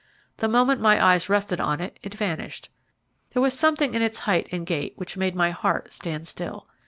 The moment my eyes rested on it it vanished. There was something in its height and gait which made my heart stand still.